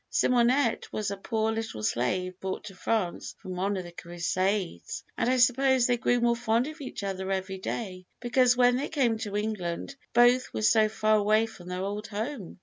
Simonette was a poor little slave brought to France from one of the crusades, and I suppose they grew more fond of each other every day, because when they came to England both were so far away from their old home.